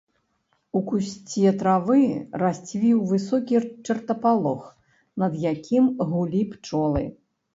У кусце травы расцвіў высокі чартапалох, над якім гулі пчолы.